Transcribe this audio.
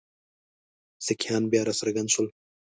سیکهان بیا را څرګند شول.